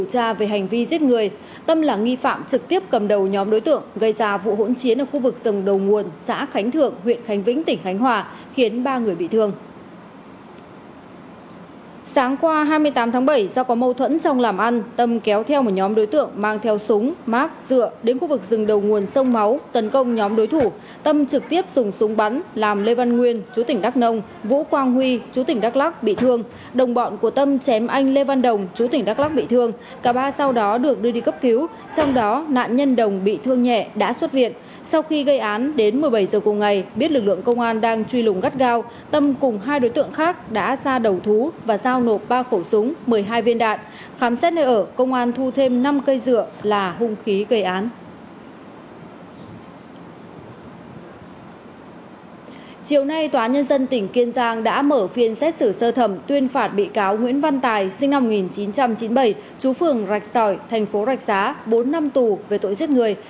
chiều nay tòa nhân dân tỉnh kiên giang đã mở phiên xét xử sơ thẩm tuyên phạt bị cáo nguyễn văn tài sinh năm một nghìn chín trăm chín mươi bảy chú phường rạch sỏi thành phố rạch giá bốn năm tù về tội giết người